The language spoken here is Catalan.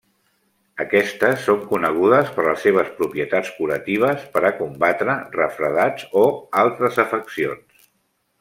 Aquestes són conegudes per les seves propietats curatives per a combatre refredats, o altres afeccions.